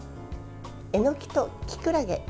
えのきと、きくらげ。